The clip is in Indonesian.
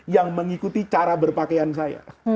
yang mengikuti cara berpakaian saya